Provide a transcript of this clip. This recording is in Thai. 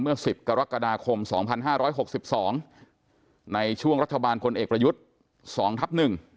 เมื่อ๑๐กรกฎาคม๒๕๖๒ในช่วงรัฐบาลพลเอกประยุทธ์๒ทับ๑